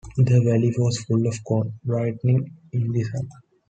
The valley was full of corn, brightening in the sun.